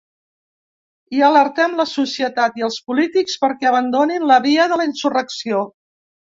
I alertem la societat i els polítics perquè abandonin la via de la insurrecció.